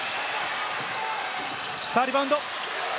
さぁ、リバウンド。